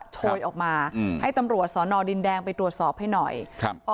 โชยออกมาอืมให้ตำรวจสอนอดินแดงไปตรวจสอบให้หน่อยครับ